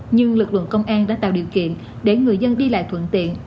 nhưng lực lượng công an đã tạo điều kiện để người dân đi lại thuận tiện